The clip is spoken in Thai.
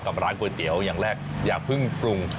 ร้านก๋วยเตี๋ยวอย่างแรกอย่าเพิ่งปรุง